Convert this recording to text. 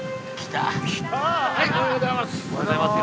・おはようございます。